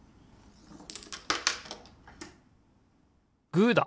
グーだ！